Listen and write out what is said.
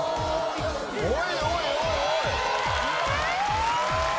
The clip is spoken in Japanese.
おいおいおいおい！